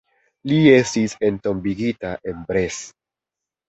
Li estis entombigita en Brest.